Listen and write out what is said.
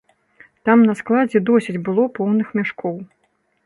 Там на складзе досыць было поўных мяшкоў.